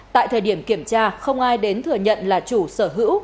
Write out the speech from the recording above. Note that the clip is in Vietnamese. tại thời điểm kiểm tra không ai đến thừa nhận là chủ sở hữu